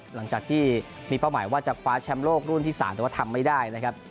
หลังจากที่มีเป้าหมายว่าจะคว้าแชมป์โลกรุ่นที่๓แต่ว่าทำไม่ได้นะครับ